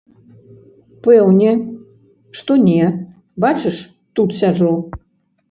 Пэўне, што не, бачыш, тут сяджу.